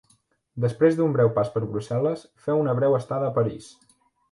Després d'un breu pas per Brussel·les, feu una breu estada a París.